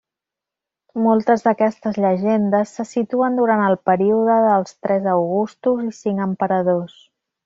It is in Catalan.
Moltes d'aquestes llegendes se situen durant el període dels tres augustos i cinc emperadors.